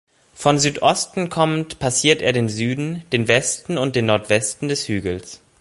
Von Südosten kommend passiert er den Süden, den Westen und den Nordwesten des Hügels.